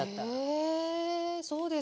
へえそうですか。